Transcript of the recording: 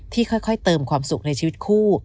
ค่อยเติมความสุขในชีวิตคู่